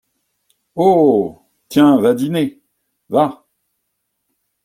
Oh ! tiens, va dîner ! va !